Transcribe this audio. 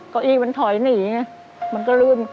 ก็อี้วางนี่มันถอยหนีมันก็ลืม